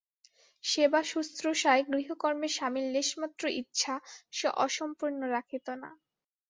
সেবাশুশ্রূষায় গৃহকর্মে স্বামীর লেশমাত্র ইচ্ছা সে অসম্পূর্ণ রাখিত না।